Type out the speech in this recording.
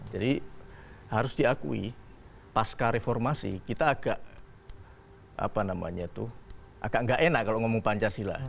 jadi harus diakui pasca reformasi kita agak apa namanya itu agak nggak enak kalau ngomong pancasila